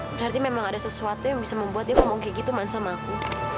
berarti memang ada sesuatu yang bisa membuat dia ngomong kayak gitu man sama aku